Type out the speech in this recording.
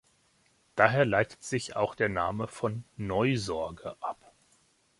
Daher leitet sich auch der Name von "Neusorge" ab.